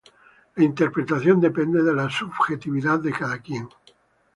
La interpretación depende de la subjetividad de cada quien.